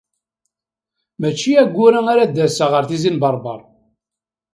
Mačči ayyur-a ara d-aseɣ ɣer Tizi n Berber.